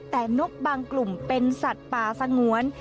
แต่นกบางกลุ่มเป็นสัตว์ป่าสงวน